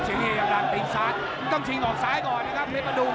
เฉียงเฮยังรันติดซ้ายต้องเฉียงออกซ้ายก่อนนะครับเพชรพดุง